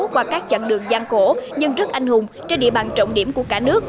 qua các chặng đường gian cổ nhưng rất anh hùng trên địa bàn trọng điểm của cả nước